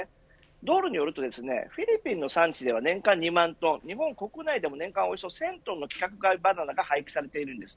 ドールによるとフィリピンの産地では年間２万トン日本国内でも年間およそ１０００トンの規格外バナナが廃棄されているんです。